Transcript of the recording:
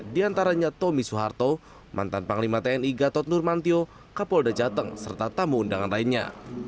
di antaranya tommy suharto mantan panglima tni gatot nurmantio kapolda jateng serta tamu undangan lainnya